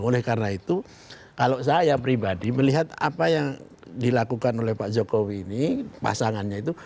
oleh karena itu kalau saya pribadi melihat apa yang dilakukan oleh pak jokowi ini pasangannya itu